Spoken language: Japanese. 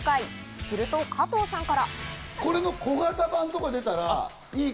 すると加藤さんから。